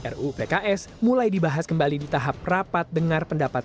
ruu pks mulai dibahas kembali di tahap rapat dengar pendapat